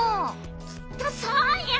きっとそうよ。